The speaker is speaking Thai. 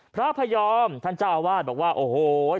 พระพยอมท่านเจ้าอาวาสบอกว่าโอ้โห